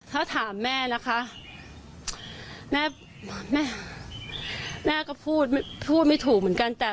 ถ้าถามแม่นะคะแม่แม่ก็พูดพูดไม่ถูกเหมือนกันแต่